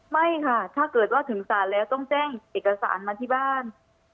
ไม่ค่ะถ้าเกิดว่าถึงศาลแล้วต้องแจ้งเอกสารมาที่บ้าน